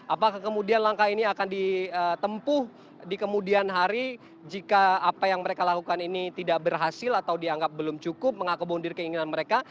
apakah kemudian langkah ini akan ditempuh di kemudian hari jika apa yang mereka lakukan ini tidak berhasil atau dianggap belum cukup mengakomodir keinginan mereka